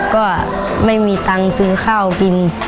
ก็ไม่มีตังค์ซื้อข้าวกิน